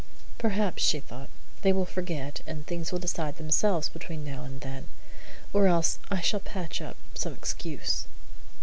"Perhaps," she thought, "they will forget, and things will settle themselves between now and then. Or else I shall patch up some excuse."